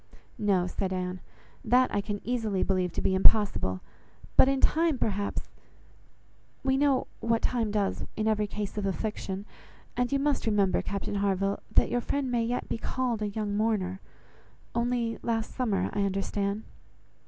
"No," said Anne, "that I can easily believe to be impossible; but in time, perhaps—we know what time does in every case of affliction, and you must remember, Captain Harville, that your friend may yet be called a young mourner—only last summer, I understand."